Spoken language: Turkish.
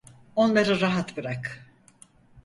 Onları rahat bırak.